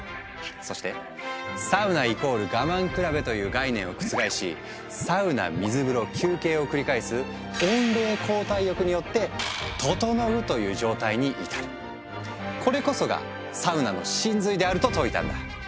そして「サウナ＝我慢比べ」という概念を覆し「サウナ水風呂休憩」を繰り返す「温冷交代浴」によって「ととのう」という状態に至るこれこそがサウナの神髄であると説いたんだ。